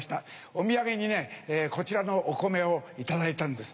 お土産にねこちらのお米を頂いたんです。